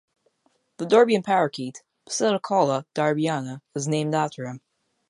The Derbyan parakeet, "Psittacula derbiana", is named after him.